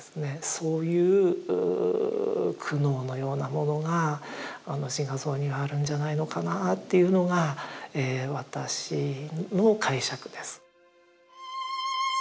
そういう苦悩のようなものがあの自画像にはあるんじゃないのかなっていうのが私の解釈です。